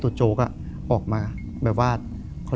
ลุงก็ออกมามาช่วยกัน